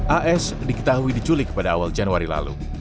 as diketahui diculik pada awal januari lalu